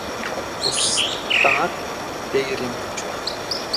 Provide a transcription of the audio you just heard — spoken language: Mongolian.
Бусдаар дээр юм юу ч байхгүй.